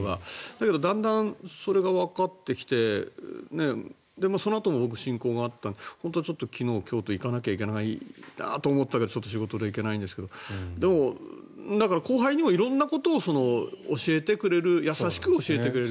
だけど、だんだんそれがわかってきてそのあとも僕、親交があったので本当は昨日今日と行かなきゃいけないなと思ったんですがちょっと仕事で行けないんですが後輩にも色んなことを教えてくれる優しく教えてくれる。